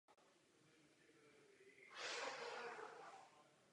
V závěru války byla leteckým bombardováním značně poškozena celá čelní fronta budovy školy.